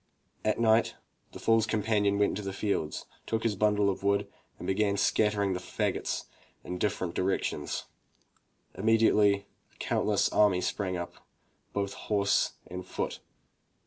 At night the foors companion went out into the fields, took his bundle of wood, and began scattering the fagots in different directions. Immediately a countless army sprang up, both horse and foot.